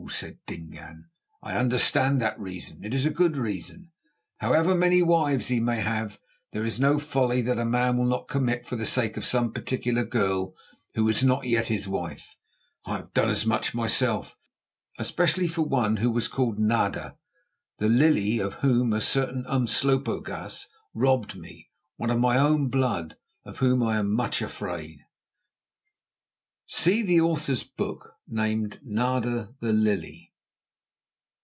_" said Dingaan; "I understand that reason. It is a good reason. However many wives he may have, there is no folly that a man will not commit for the sake of some particular girl who is not yet his wife. I have done as much myself, especially for one who was called Nada the Lily, of whom a certain Umslopogaas robbed me, one of my own blood of whom I am much afraid." See the Author's book named "Nada the Lily."